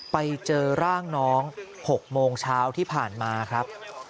ไปเจอร่างน้อง๖โมงเช้าที่ผ่านมาครับ